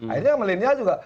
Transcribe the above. akhirnya milenial juga